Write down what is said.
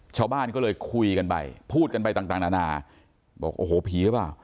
ชาวบ้านก็เลยคุยกันไปพูดกันไปต่างนานาบอกโอ้โหผีหรือเปล่า